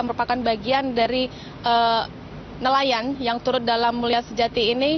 merupakan bagian dari nelayan yang turut dalam mulia sejati ini